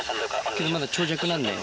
これ、まだ長尺なんで。